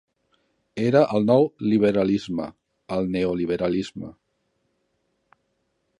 Era el nou liberalisme: el neoliberalisme.